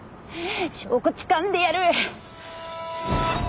証拠つかんでやる！